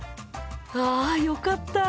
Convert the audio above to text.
あよかった！